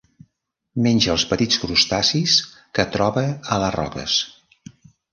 Menja els petits crustacis que troba a les roques.